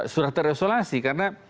sudah terisolasi karena